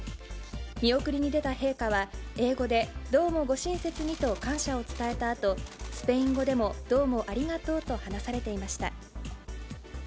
見送りに出た陛下は、英語で、どうもご親切にと感謝を伝えたあと、スペイン語でも、どうもありがとうと話されていました。